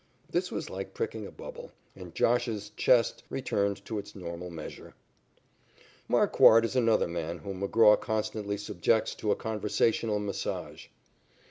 This was like pricking a bubble, and "Josh's" chest returned to its normal measure. Marquard is another man whom McGraw constantly subjects to a conversational massage.